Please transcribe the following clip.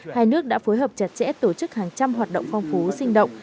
hai nước đã phối hợp chặt chẽ tổ chức hàng trăm hoạt động phong phú sinh động